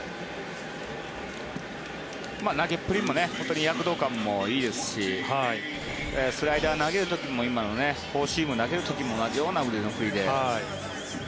投げっぷりも本当に躍動感もいいですしスライダー投げる時も今のフォーシームを投げる時も同じような腕の振りで。